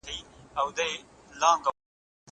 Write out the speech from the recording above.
کورني تولیدات مخ په زیاتیدو وو.